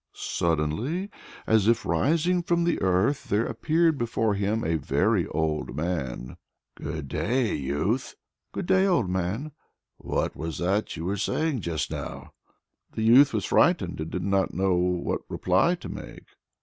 Suddenly, as if rising from the earth, there appeared before him a very old man. "Good day, good youth!" "Good day, old man!" "What was that you were saying just now?" The youth was frightened and did not know what reply to make.